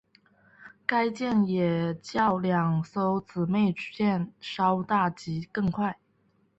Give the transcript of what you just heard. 该舰也较两艘姊妹舰稍大及更快。